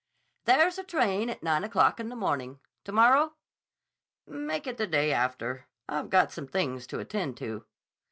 "There's a train at nine o'clock in the morning. To morrow?" "Make it the day after. I've got some things to attend to."